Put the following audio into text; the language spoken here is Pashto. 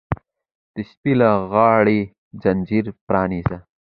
د سپي له غاړې ځنځیر پرانیزه!